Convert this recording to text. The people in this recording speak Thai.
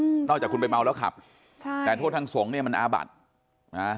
อืมนอกจากคุณไปเมาแล้วขับใช่แต่โทษทางสงฆ์เนี้ยมันอาบัดนะ